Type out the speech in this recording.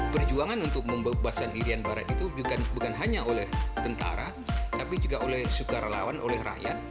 perjuangan untuk membebaskan irian barat itu bukan hanya oleh tentara tapi juga oleh sukarelawan oleh rakyat